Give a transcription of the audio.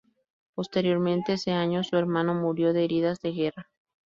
Posteriormente ese año, su hermano murió de heridas de guerra.